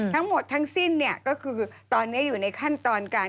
ทั้งหมดทั้งสิ้นก็คือตอนนี้อยู่ในขั้นตอนการ